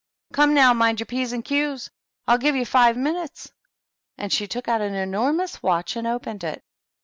Come, now, mind your P's and Q's. I'll give you five min utes." And she took out an enormous watch and opened it.